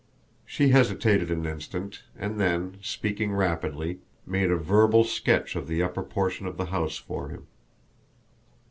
She hesitated an instant and then, speaking rapidly, made a verbal sketch of the upper portion of the house for him.